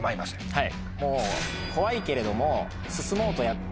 はい。